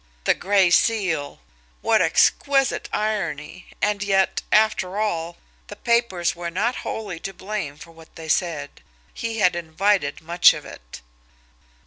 The Gray Seal! What exquisite irony! And yet, after all, the papers were not wholly to blame for what they said; he had invited much of it.